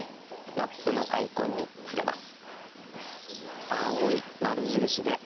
「マップ」のアイコンに触れます。